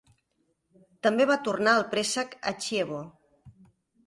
També va tornar el préstec a Chievo.